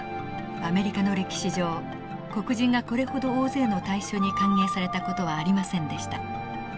アメリカの歴史上黒人がこれほど大勢の大衆に歓迎された事はありませんでした。